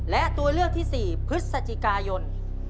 และตัวเลือกที่๔พฤศจิกายน